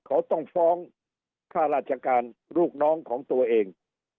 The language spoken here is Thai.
เขาต้องฟ้องค่าราชการลูกน้องของตัวเอง